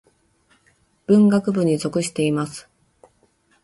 文学部に属しています。